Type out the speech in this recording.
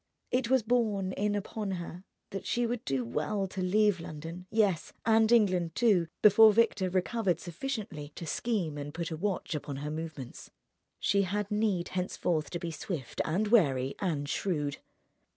It was borne in upon her that she would do well to leave London, yes, and England, too, before Victor recovered sufficiently to scheme and put a watch upon her movements. She had need henceforth to be swift and wary and shrewd....